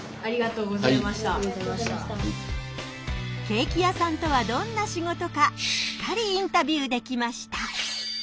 ケーキ屋さんとはどんな仕事かしっかりインタビューできました。